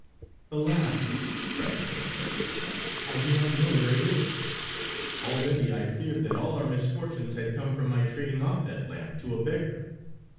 "Alas," cried the Princess, "I do not know where it is. Already I feared that all our misfortunes had come from my trading off that lamp to a beggar."